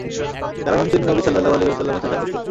কারণ তিনি নবী সাল্লালাহু আলাইহি ওয়াসাল্লামের চাচার পুত্র।